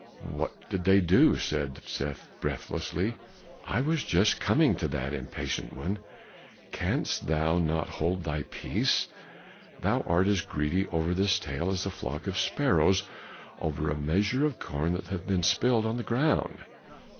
"What did they do?" said Seth breathlessly. "I was just coming to that, impatient one. Canst thou not hold thy peace? Thou art as greedy over this tale as a flock of sparrows over a measure of corn that hath been spilled on the ground."